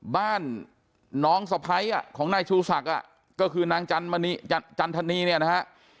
บ้านน้องสภัยอ่ะของนายชูศักดิ์อ่ะก็คือนางจันทนีจันทนีเนี่ยนะฮะ